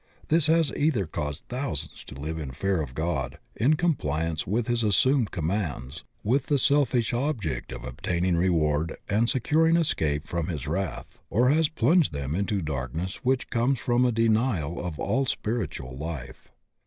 This has either caused thousands to live in fear of God, in compUance with his assumed commands, with the selfish object of obtaining reward and securing escape from his wrath, or has plunged them into darkness which comes from a denial of all spiritual Ufe.